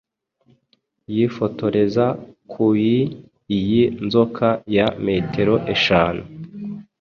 yifotoreza kui iyi nzoka ya metero eshanu